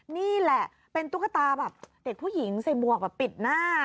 นี่แหละเป็นตุ๊กตาแบบเด็กผู้หญิงใส่หมวกแบบปิดหน้า